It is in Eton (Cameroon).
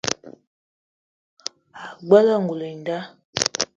Ag͡bela ngoul i nda.